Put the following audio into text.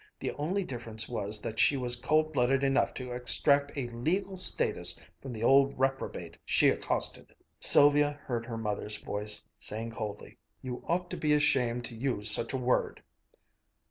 The only difference was that she was cold blooded enough to extract a legal status from the old reprobate she accosted." Sylvia heard her mother's voice saying coldly, "You ought to be ashamed to use such a word!"